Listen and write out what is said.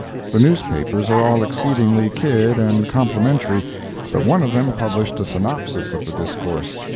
The newspapers are all exceedingly kid and complimentary, but one of them published a synopsis of the discourse.